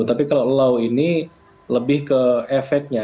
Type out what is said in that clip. tapi kalau low ini lebih ke efeknya